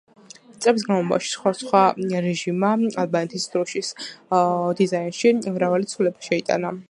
წლების განმავლობაში, სხვადასხვა რეჟიმმა, ალბანეთის დროშის დიზაინში მრავალი ცვლილება შეიტანა.